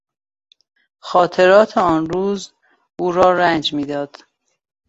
خاطرات آن روز او را رنج میداد.